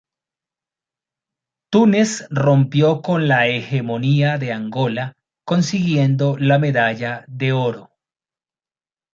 Túnez rompió con la hegemonía de Angola, consiguiendo la medalla de oro.